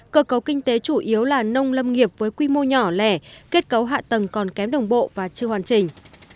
cơ cấu kinh tế chủ yếu là nông lâm nghiệp với quy mô nhỏ lẻ kết cấu hạ tầng còn kém đồng bộ và chưa hoàn chỉnh